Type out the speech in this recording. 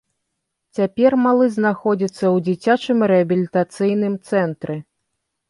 Цяпер малы знаходзіцца ў дзіцячым рэабілітацыйным цэнтры.